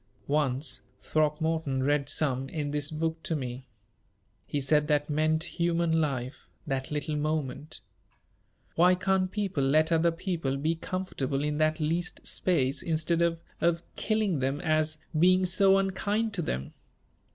"Once, Throckmorton read some in this book to me. He said that meant human life that little moment. Why can't people let other people be comfortable in that least space, instead of of killing them as being so unkind to them?"